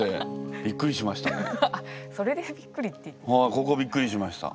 ここびっくりしました。